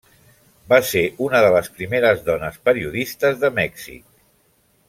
Va ser una de les primeres dones periodistes de Mèxic.